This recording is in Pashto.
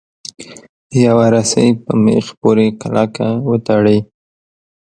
یوه رسۍ په میخ پورې کلکه وتړئ.